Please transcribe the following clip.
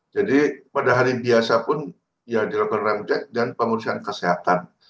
jadi pada hari biasa pun ya dilakukan rem cek dan pengurusan kesehatan